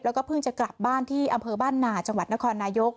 แล้วก็เพิ่งจะกลับบ้านที่อำเภอบ้านหนาจังหวัดนครนายก